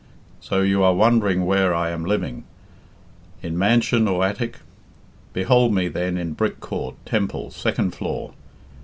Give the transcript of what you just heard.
... "So you are wondering where I am living in man sion or attic! Behold me then in Brick Court, Temple, second floor.